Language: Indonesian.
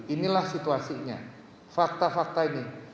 inilah situasinya fakta fakta ini